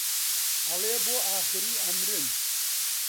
ئەڵێ بۆ ئاخری ئەمرن